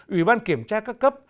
ủy ban kiểm tra các cơ quan